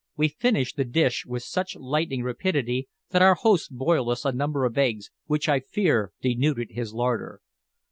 We finished the dish with such lightning rapidity that our host boiled us a number of eggs, which, I fear, denuded his larder.